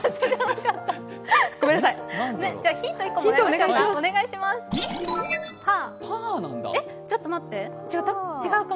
ヒント１個もらいましょうか。